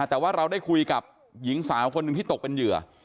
แต่ว่าเราได้คุยกับหญิงสาวคนหนึ่งที่ตกเป็นเหยื่อ